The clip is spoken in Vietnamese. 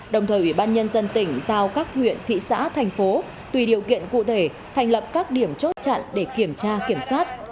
đồng thời ủy ban nhân dân tỉnh giao các huyện thị xã thành phố tùy điều kiện cụ thể thành lập các điểm chốt chặn để kiểm tra kiểm soát